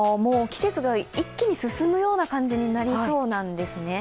季節が一気に進むような感じになりそうなんですね。